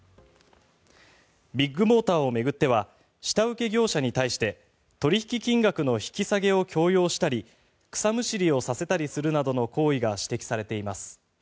ビッグモーターを巡っては下請け業者に対して取引金額の引き下げを強要したり草むしりをさせたりするなどの行為が指摘されています。